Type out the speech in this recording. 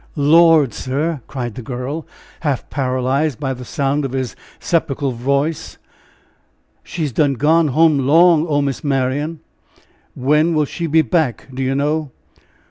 "Lord, sir!" cried the girl, half paralyzed by the sound of his sepulchral voice, "she's done gone home 'long o' Miss Marian." "When will she be back, do you know?"